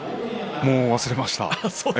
もう忘れました。